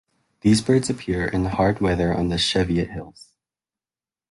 These birds appear in hard weather on the Cheviot Hills.